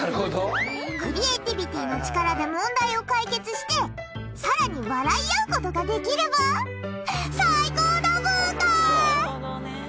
クリエーティビティの力で問題を解決してさらに笑い合うことができれば最高だブーカ！